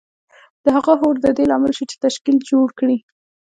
د هغه هوډ د دې لامل شو چې تشکیل جوړ کړي